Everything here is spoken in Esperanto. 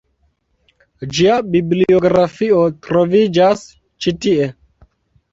Ĝia bibliografio troviĝas ĉi tie.